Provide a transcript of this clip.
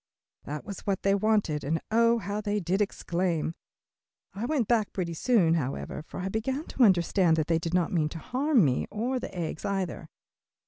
That was what they wanted, and oh how they did exclaim! I went back pretty soon, however, for I began to understand that they did not mean to harm me or the eggs either.